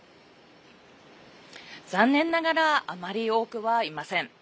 残念ながらあまり多くはいません。